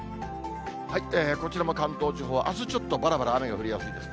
こちらも関東地方はあすちょっとばらばら雨が降りやすいです。